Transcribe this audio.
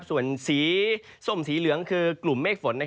ส่วนสีส้มสีเหลืองคือกลุ่มเมฆฝน